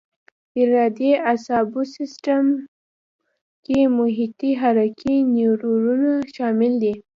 ارادي اعصابو سیستم کې محیطي حرکي نیورونونه شامل دي.